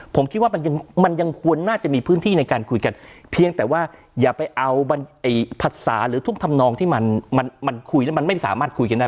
ผมคิดว่ามันยังมันยังควรน่าจะมีพื้นที่ในการคุยกันเพียงแต่ว่าอย่าไปเอาภาษาหรือทุกธรรมนองที่มันมันคุยแล้วมันไม่สามารถคุยกันได้